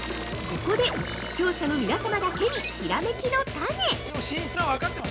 ここで視聴者の皆様だけにひらめきのタネ！